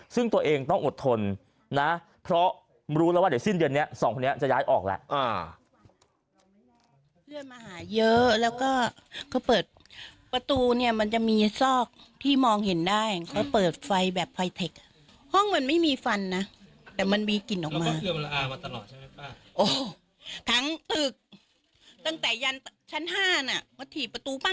ซึ่งตัวเองต้องอดทนนะเพราะรู้แล้วว่าเดี๋ยวสิ้นเดือนนี้